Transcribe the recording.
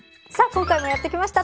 今回もやってきました。